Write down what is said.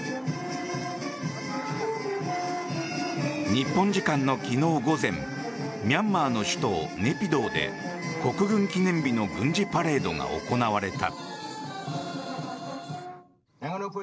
日本時間の昨日午前ミャンマーの首都ネピドーで国軍記念日の軍事パレードが行われた。